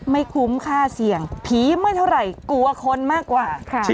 ไม่คุ้มค่าเสี่ยงผีไม่เท่าไหร่กลัวคนมากกว่า